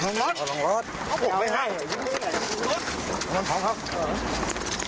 อยู่เหนื่อยอยู่เหนื่อยอยู่เหนื่อย